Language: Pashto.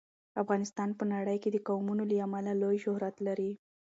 افغانستان په نړۍ کې د قومونه له امله لوی شهرت لري.